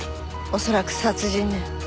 恐らく殺人ね。